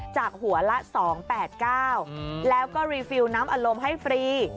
จากหัวละสองแปดเก้าอืมแล้วก็รีฟิลน้ำอารมณ์ให้ฟรี